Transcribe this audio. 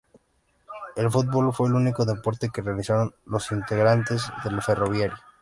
El fútbol fue el único deporte que realizaron los integrantes del ferroviario.